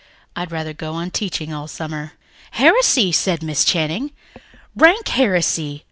I'd rather go on teaching all summer." "Heresy!" said Miss Channing. "Rank heresy!